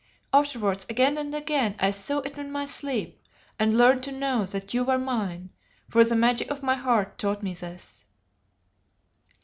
Afterwards again and again I saw it in my sleep and learned to know that you were mine, for the magic of my heart taught me this.